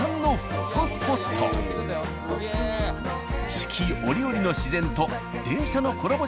四季折々の自然と電車のコラボ